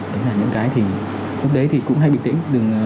đấy là những cái thì lúc đấy cũng hay bị tiễn